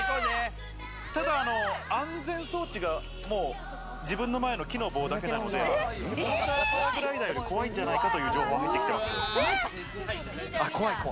ただ、安全装置が自分の前の木の棒だけなのでモーターパラグライダーより怖いんじゃないかという情報が入ってきてます。